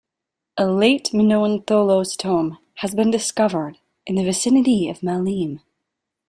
A Late Minoan tholos tomb has been discovered in the vicinity of Maleme.